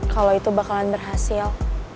kalau itu bakalan berhasil